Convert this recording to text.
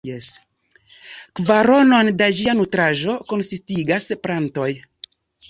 Kvaronon da ĝia nutraĵo konsistigas plantoj.